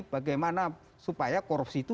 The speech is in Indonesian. bagaimana supaya korupsi itu